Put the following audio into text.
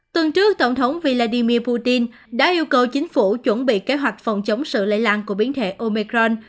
tuần trước tổng thống vladimir putin đã yêu cầu chính phủ chuẩn bị kế hoạch phòng chống sự lây lan của biến thể omecron